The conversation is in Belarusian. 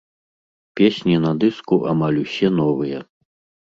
Песні на дыску амаль усе новыя.